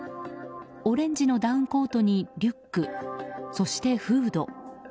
オレンジのダウンコートにリュックそしてフード。